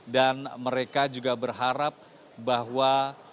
dan mereka juga berharap bahwa